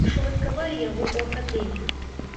Мы ж уладкавалі яго ў акадэмію.